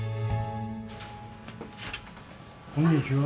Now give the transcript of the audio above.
こんにちは。